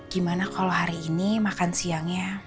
gimana kalau hari ini makan siangnya